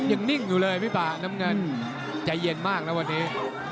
นิ่งอยู่เลยพี่ป่าน้ำเงินใจเย็นมากนะวันนี้